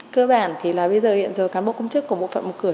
cơ bản thì là bây giờ hiện giờ cán bộ công chức của bộ phận một cửa